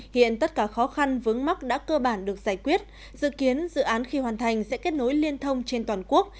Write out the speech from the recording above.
hiện tất cả khó khăn vướng mắc đã cơ bản được giải quyết dự kiến dự án khi hoàn thành sẽ kết nối liên thông trên toàn quốc